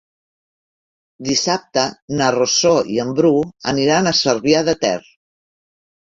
Dissabte na Rosó i en Bru aniran a Cervià de Ter.